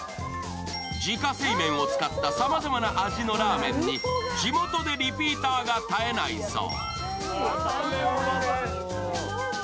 自家製麺を使ったさまざまな味のラーメンに、地元でリピーターが絶えないそう。